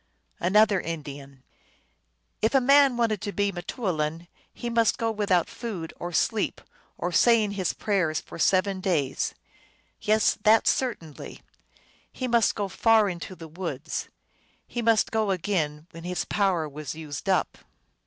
Another Indian. "If a man wanted to be m te oulin he must go without food, or sleep, or saying his prayers, for seven days. Yes, that certainly. He must go far into the w^oods. He must go again when his power was used up."